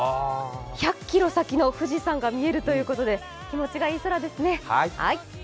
１００ｋｍ先の富士山が見えるということで気持ちのいい朝ですね。